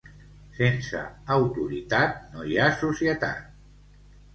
Sense autoritat no hi ha societat.